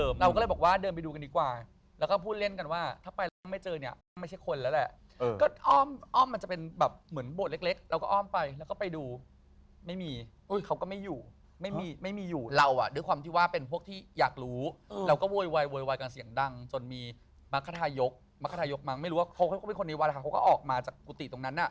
มีใครที่ผมอยู่ยาวเขาข่าวแล้วก็บอกกลับบอกไป